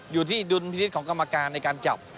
อยู่ที่ดุลพินิษฐ์ของกรรมการในการจับ